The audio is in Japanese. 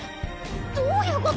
どういうこと？